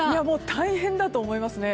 大変だと思いますね。